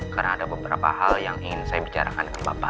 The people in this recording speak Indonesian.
karena ada beberapa hal yang ingin saya bicarakan ke bapak pak